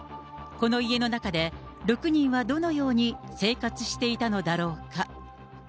この家の中で、６人はどのように生活していたのだろうか。